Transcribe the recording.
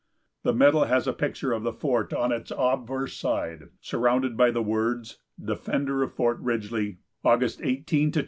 The medal has a picture of the fort on its obverse side, surrounded by the words, "Defender of Fort Ridgely, August 18 27, 1862."